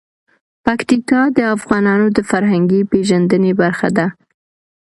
پکتیکا د افغانانو د فرهنګي پیژندنې برخه ده.